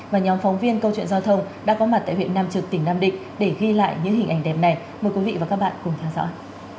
và nhóm phóng viên câu chuyện giao thông đã có mặt tại huyện nam trực tỉnh nam định để ghi lại những hình ảnh đẹp này mời quý vị và các bạn cùng theo dõi